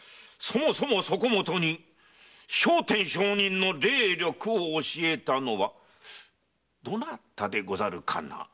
そもそもそこもとに聖天上人の霊力を教えたのはどなたでござるかな？